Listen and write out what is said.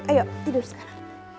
ayo tidur sekarang